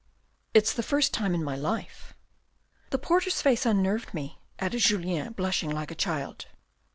" It's the first time in my life. The porter's face unnerved me," added Julien, blushing like a child.